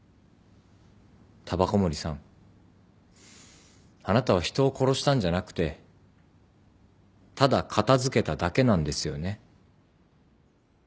煙草森さんあなたは人を殺したんじゃなくてただ片付けただけなんですよね？